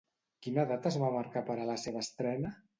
Quina data es va marcar per a la seva estrena?